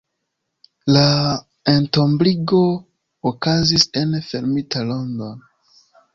La entombigo okazis en fermita rondo.